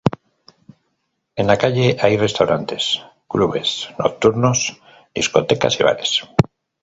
En la calle hay restaurantes, clubes nocturnos, discotecas y bares.